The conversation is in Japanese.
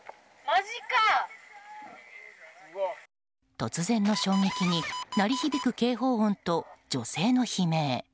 突然の衝撃に鳴り響く警報音と女性の悲鳴。